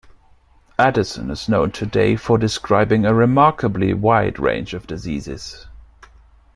Addison is known today for describing a remarkably wide range of diseases.